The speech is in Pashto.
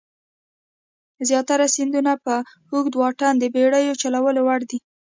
زیاتره سیندونه په اوږده واټن د بېړیو چلولو وړ دي.